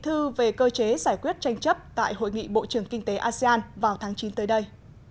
thư về cơ chế giải quyết tranh chấp tại hội nghị bộ trưởng kinh tế asean vào tháng chín tới đây